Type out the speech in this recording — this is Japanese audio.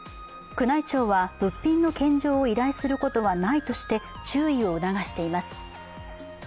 宮内庁は物品の献上を依頼することはないとして注意を促しています。